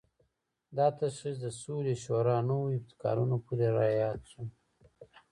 دا تشخیص د سولې شورا نوو ابتکارونو پورې راياد شو.